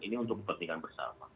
ini untuk kepentingan bersama